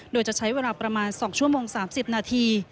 โดยจะใช้เวลาประมาณ๒ชั่วโมง๓๐นาที